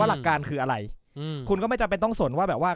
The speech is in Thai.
หลักการคืออะไรอืมคุณก็ไม่จำเป็นต้องสนว่าแบบว่า